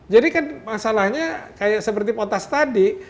jadi kan masalahnya seperti potas tadi